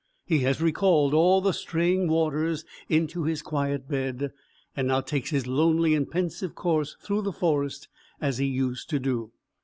He has recalled all the straying waters into his quiet bed, and now takes his lonely and pensive course through the forest as he used to do.